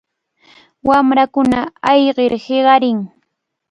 Wamrakuna ayqir hiqarin.